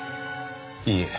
いいえ。